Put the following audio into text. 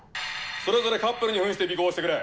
それぞれカップルに扮して尾行をしてくれ。